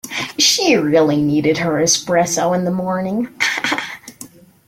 She really needed her espresso in the morning.